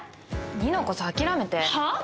二乃こそ諦めてはぁ？